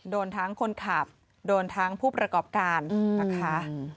โดนทั้งคนขับโดนทั้งผู้ประกอบการนะคะ